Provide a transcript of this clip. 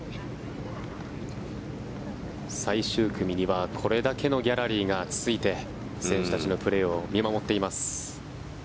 最終組にはこれだけのギャラリーがついて選手たちのプレーを見守っています。